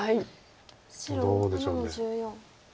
どうでしょう。